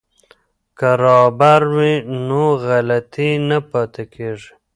که رابر وي نو غلطي نه پاتې کیږي.